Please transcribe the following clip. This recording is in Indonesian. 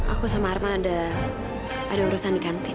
aku sama arman ada urusan di kantin